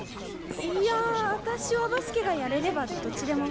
いや私はバスケがやれればどっちでも。